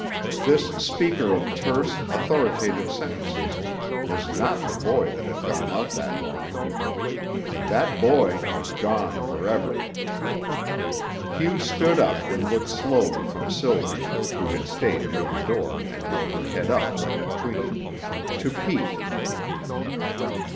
This speaker of terse, authoritative sentences was not the boy that had gone out that morning. That boy was gone forever. Hugh stood up and looked slowly from Sylvie, who had stayed near the door and held her head up like a queen, to Pete.